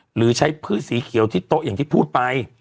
หรือใช้พืชสีเขียวที่โต๊ะอย่างที่พูดไป